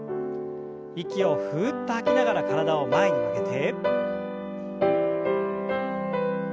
息をふっと吐きながら体を前に曲げて。